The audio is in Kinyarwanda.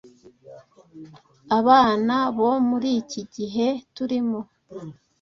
abana bo muri iki gihe turimo